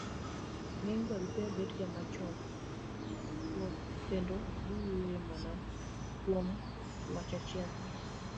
ng'eny barupe betga machuok kendo giwuoyo mana kuom wach achiel.